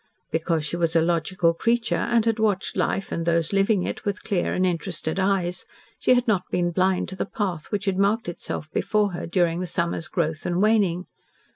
Because she was a logical creature, and had watched life and those living it with clear and interested eyes, she had not been blind to the path which had marked itself before her during the summer's growth and waning.